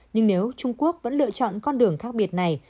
nhưng nếu trung quốc vẫn lựa chọn con đường khác biệt này